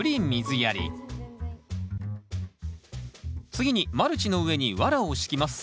次にマルチの上にワラを敷きます。